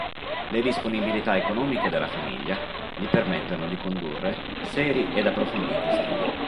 Le disponibilità economiche della famiglia gli permettono di condurre seri ed approfonditi studi.